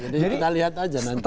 jadi kita lihat aja nanti